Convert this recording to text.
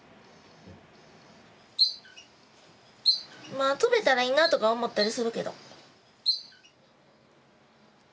まあ飛べたらいいなとか思ったりするけど。